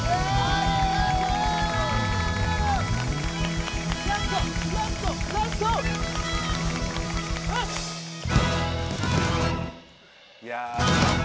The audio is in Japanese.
いや。